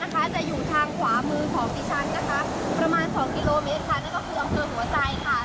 คุณผู้ชมค่ะจุดที่ดิฉันยืนอยู่ตรงนี้นะคะอยู่ห่างจากจังหวัดนครเพียง๒กิโลเมตรนะคะ